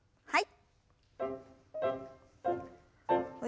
はい。